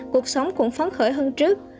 cuộc sống cũng phán khởi hơn trước